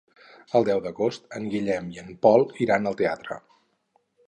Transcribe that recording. El deu d'agost en Guillem i en Pol iran al teatre.